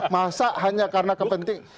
masa hanya karena kepentingan